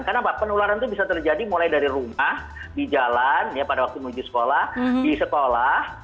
karena penularan itu bisa terjadi mulai dari rumah di jalan pada waktu menuju sekolah di sekolah